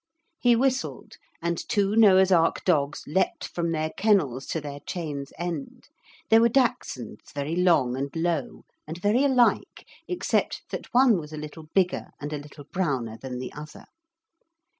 He whistled and two Noah's Ark dogs leaped from their kennels to their chains' end. They were dachshunds, very long and low, and very alike except that one was a little bigger and a little browner than the other.